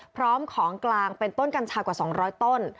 พร้อมของกลางเป็นต้นกัญชากว่า๒๐๐ต้น